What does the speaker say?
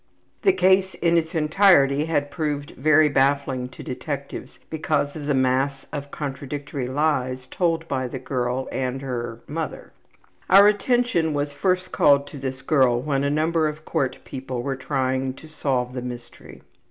The case in its entirety had proved very baffling to detectives because of the mass of contradictory lies told by both the girl and her ``mother.'' Our attention was first called to this girl when a number of court people were trying to solve the mystery.